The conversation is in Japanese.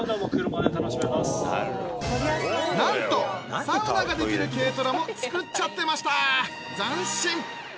なんとサウナができる軽トラもつくっちゃってました斬新！